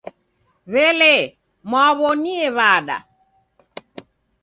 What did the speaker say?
W'elee, mwaaw'onie w'ada?